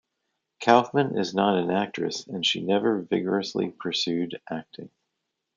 Kaufman is not an actress and she never vigorously pursued acting.